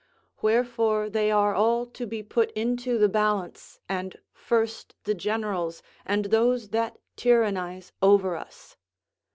Wherefore they are all to be put into the balance, and first the generals and those that tyrannize over us.